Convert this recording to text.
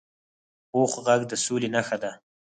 پوخ غږ د سولي نښه ده